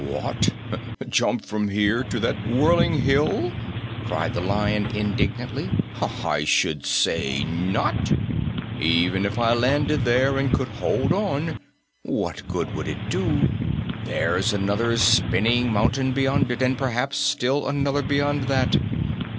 "What, jump from here to that whirling hill?" cried the Lion indignantly. "I should say not! Even if I landed there and could hold on, what good would it do? There's another spinning mountain beyond it, and perhaps still another beyond that.